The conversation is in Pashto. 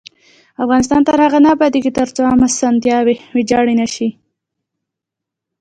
افغانستان تر هغو نه ابادیږي، ترڅو عامه اسانتیاوې ویجاړې نشي.